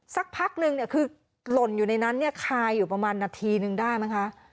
สักพักนึงเนี่ยคือหล่นอยู่ในนั้นเนี่ยคายอยู่ประมาณนาทีนึงได้มั้งคะ